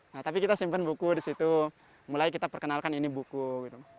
nah tapi kita simpan buku di situ mulai kita perkenalkan ini buku gitu